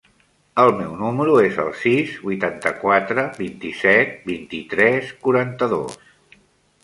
El meu número es el sis, vuitanta-quatre, vint-i-set, vint-i-tres, quaranta-dos.